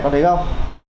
con thấy không